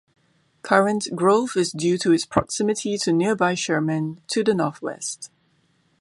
Current growth is due to its proximity to nearby Sherman, to the northwest.